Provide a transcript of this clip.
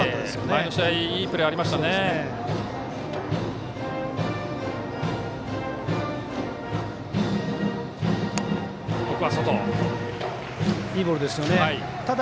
前の試合いいプレーありましたね。